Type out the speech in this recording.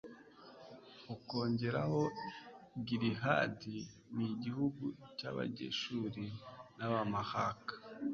ukongeraho gilihadi n'igihugu cy'abageshuri n'abamahaka